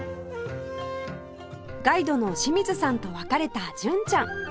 ガイドの清水さんと別れた純ちゃん